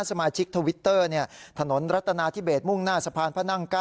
สมาชิกทวิตเตอร์ถนนรัฐนาธิเบสมุ่งหน้าสะพานพระนั่ง๙